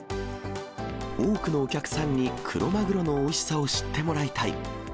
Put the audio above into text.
多くのお客さんにクロマグロのおいしさを知ってもらいたい。